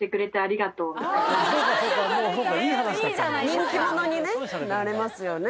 人気者にねなれますよね